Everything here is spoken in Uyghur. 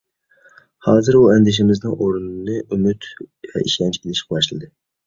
ھازىر ئۇ ئەندىشىلىرىمنىڭ ئورنىنى ئۈمىد ۋە ئىشەنچ ئېلىشقا باشلىدى.